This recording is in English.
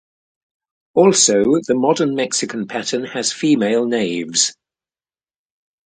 Also, the modern Mexican pattern has female knaves.